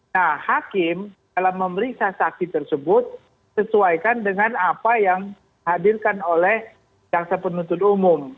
nah hakim dalam memeriksa saksi tersebut sesuaikan dengan apa yang hadirkan oleh jaksa penuntut umum